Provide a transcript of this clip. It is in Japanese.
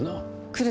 来る